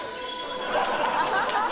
「ハハハハ！」